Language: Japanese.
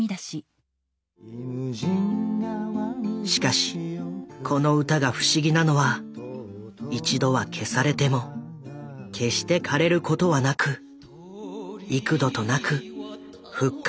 しかしこの歌が不思議なのは一度は消されても決してかれることはなく幾度となく復活を遂げたことだ。